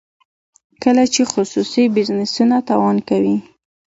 کله چې خصوصي بزنسونه تاوان کوي.